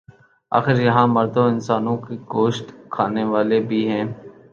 آخر یہاں مردہ انسانوں کے گوشت کھانے والے بھی ہیں۔